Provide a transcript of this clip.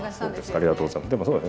ありがとうございます。